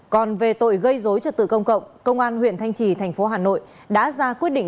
còn về tội gây dối trật tự công cộng công an huyện thanh trì thành phố hà nội đã ra quyết định